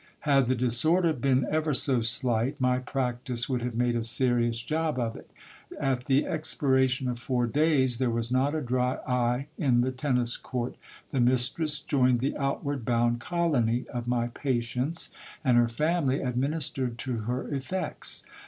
Had the disorder been ever so slight, my practice would have made a serous job of it. At the expir ation of four days there was not a dry eye in the tennis court. The mistress joined the outward bound colony of my patients, and her family administered to her effects.